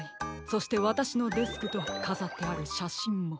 そしてわたしのデスクとかざってあるしゃしんも。